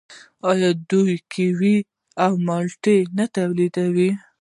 آیا دوی کیوي او مالټې نه تولیدوي؟